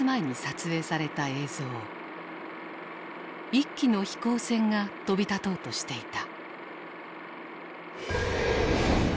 一機の飛行船が飛び立とうとしていた。